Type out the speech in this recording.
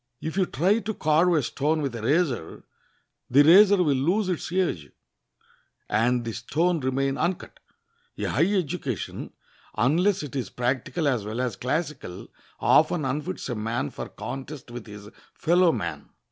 If you try to carve a stone with a razor, the razor will lose its edge, and the stone remain uncut. A high education, unless it is practical as well as classical, often unfits a man for contest with his fellow man.